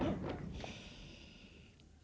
janganlah kau berguna